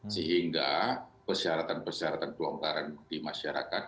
sehingga persyaratan persyaratan pelonggaran di masyarakat